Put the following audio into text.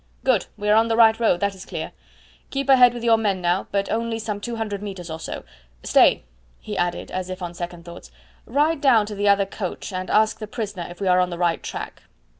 "Good! We are on the right road, that is clear. Keep ahead with your men now, but only some two hundred metres or so. Stay!" he added, as if on second thoughts. "Ride down to the other coach and ask the prisoner if we are on the right track."